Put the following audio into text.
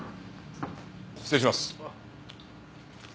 失礼します。